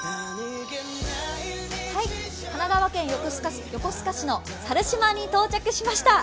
神奈川県横須賀市の猿島に到着しました。